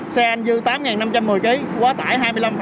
xe anh dư tám năm trăm một mươi kg quá tải hai mươi năm bảy mươi chín